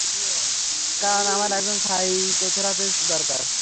কারণ আমার একজন সাইকোথেরাপিস্ট দরকার।